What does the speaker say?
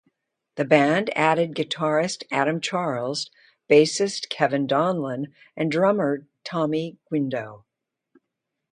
The band added guitarist Adam Charles, bassist Kevin Donlon and drummer Tommy Guindo.